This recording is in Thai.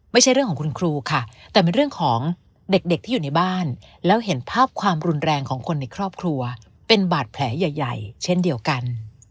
ไม่ใช่เรื่องของคุณครูค่ะแต่เป็นเรื่องของเด็กที่อยู่ในบ้านแล้วเห็นภาพความรุนแรงของคนในครอบครัวเป็นบาดแผลใหญ่เช่นเดียวกัน